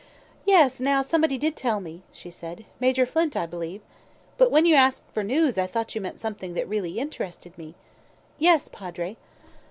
"Yes, now somebody did tell me that," she said. "Major Flint, I believe. But when you asked for news I thought you meant something that really interested me. Yes, Padre?"